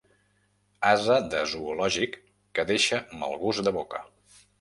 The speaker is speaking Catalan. Ase de zoològic que deixa mal gust de boca.